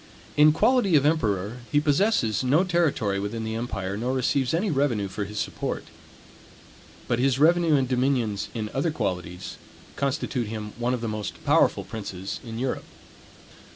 In quality of emperor, he possesses no territory within the empire, nor receives any revenue for his support. But his revenue and dominions, in other qualities, constitute him one of the most powerful princes in Europe.